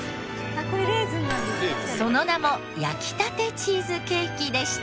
その名も焼きたてチーズケーキでした。